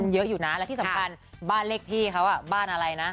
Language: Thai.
เยอะอยู่นะและที่สำคัญบ้านเลขที่เขาบ้านอะไรนะ